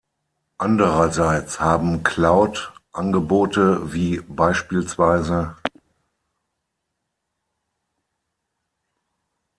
Andererseits haben Cloud Angebote wie bspw.